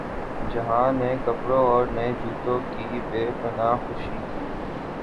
جہاں نئے کپڑوں اورنئے جوتوں کی بے پنا ہ خوشی تھی۔